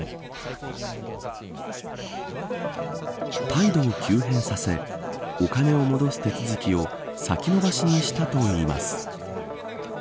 態度を急変させお金を戻す手続きを先延ばしにしたといいます。